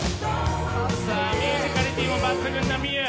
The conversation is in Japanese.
さあミュージカリティーも抜群なＭｉＹＵ。